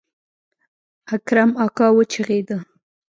اکرم اکا وچغېده.